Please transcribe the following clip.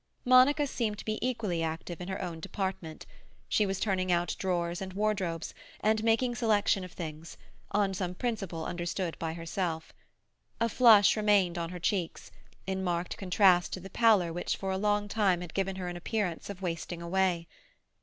Monica seemed to be equally active in her own department; she was turning out drawers and wardrobes, and making selection of things—on some principle understood by herself. A flush remained upon her cheeks, in marked contrast to the pallor which for a long time had given her an appearance of wasting away.